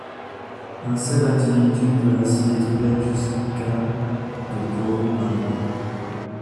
Un seul individu peut ainsi détruire jusqu'à de coraux par an.